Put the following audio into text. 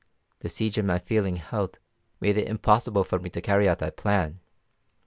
The siege and my failing health made it impossible for me to carry out that plan.